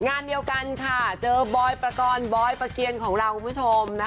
งานเดียวกันเจอบอยแบบประกร์ธบอยประเกียรฐ์ของเราคุณผู้ชม